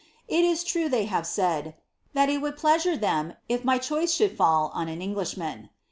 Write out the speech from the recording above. ]t is true they have said, ' that it would pleasure them if my choice should fall on an Eng lishman.'